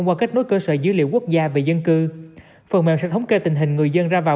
qua kết nối cơ sở dữ liệu quốc gia về dân cư phần mềm sẽ thống kê tình hình người dân ra vào